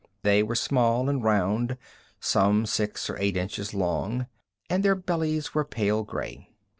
They were small and round, some six or eight inches long, and their bellies were pale gray.